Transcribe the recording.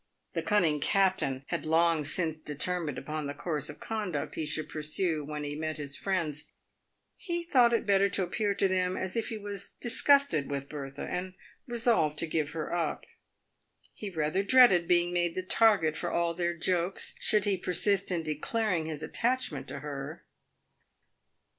The cunning captain had long since determined upon the course of conduct he should pursue when he met his friends. He thought it better to appear to them as if he was disgusted with Bertha, and resolved to give her up. He rather dreaded being made the target for all their jokes should he persist in declaring his attach ment to her.